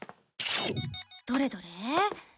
どれどれ。